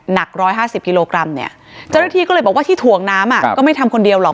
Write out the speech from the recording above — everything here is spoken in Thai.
หนัก๑๕๐กิโลกรัมเนี่ยเจ้าหน้าที่ก็เลยบอกว่าที่ถ่วงน้ำอ่ะก็ไม่ทำคนเดียวหรอก